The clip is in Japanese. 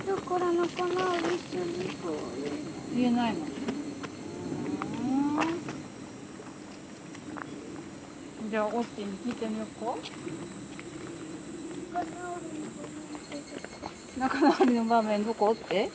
仲直りの場面どこ？って？